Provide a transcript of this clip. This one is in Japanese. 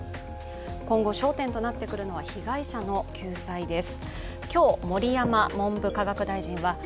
今後、焦点となってくるのは被害者の救済です。